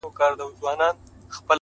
• دا احسان دي لا پر ځان نه دی منلی,